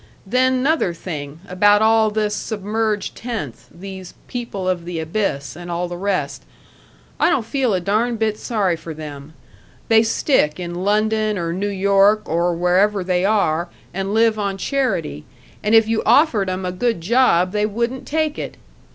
Then, 'nother thing, about all this submerged tenth these 'People of the Abyss,' and all the rest: I don't feel a darn bit sorry for them. They stick in London or New York or wherever they are, and live on charity, and if you offered 'em a good job they wouldn't take it.